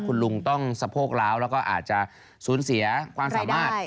คุณลุงต้องสะโพกล้าวแล้วก็อาจจะสูญเสียความสามารถ